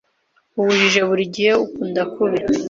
Ubujiji burigihe ukunda kubi